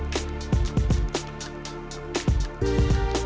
kejelas dong di mana lo